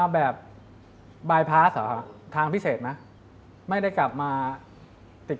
ถ้า๓ปีอ่ะพิเศษแต่ถ้าปีนี้